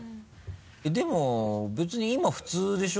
でも別に今普通でしょ？